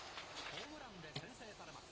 ホームランで先制されます。